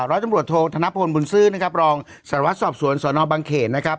ร้อยตำรวจโทษธนพลบุญซื้อนะครับรองสารวัตรสอบสวนสนบังเขตนะครับ